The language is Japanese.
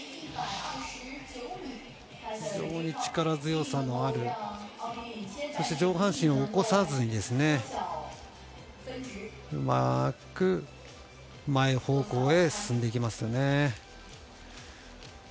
非常に力強さのある、そして上半身を起こさずにうまく前方向へ進んでいきますよね。